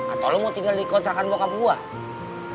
atau lo mau tinggal di kontrakan bokap buah